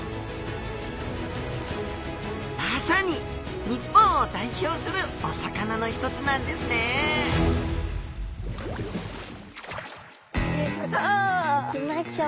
まさに日本を代表するお魚の一つなんですね行きましょう！